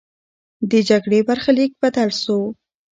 د جګړې برخلیک بدل سو.